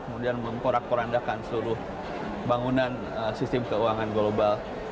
kemudian memporak porandakan seluruh bangunan sistem keuangan global